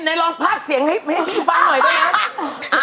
ไหนลองภาคเสียงให้พี่ฟังหน่อยด้วยนะ